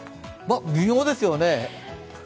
微妙ですよね。